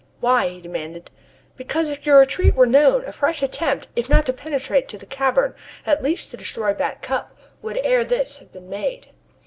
"Why?" he demanded. "Because if your retreat were known a fresh attempt, if not to penetrate to the cavern, at least to destroy Back Cup, would ere this have been made."